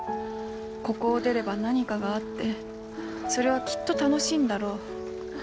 ここを出れば何かがあってそれはきっと楽しいんだろう